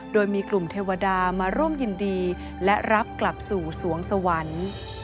โดยมีกลุ่มเทวดามาร่วมยินดีและรับกลับสู่สวงสวรรค์